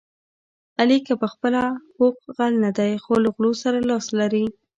علي که په خپله پوخ غل نه دی، خو له غلو سره لاس لري.